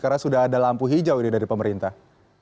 karena sudah ada lampu hijau dari pemerintah